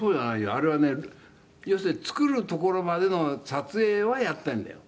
「あれはね要するに作るところまでの撮影はやってんだよ」